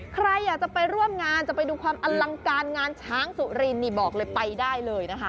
ใครอยากจะไปร่วมงานจะไปดูความอลังการงานช้างสุรินนี่บอกเลยไปได้เลยนะคะ